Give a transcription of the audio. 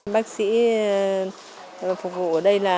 bác sĩ phục hồi ở đây